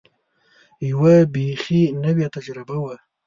یوه بېخي نوې تجربه وه.